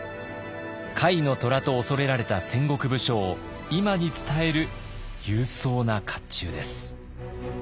甲斐の虎と畏れられた戦国武将を今に伝える勇壮な甲冑です。